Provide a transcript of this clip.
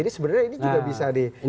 jadi sebenarnya ini juga bisa dibebaskan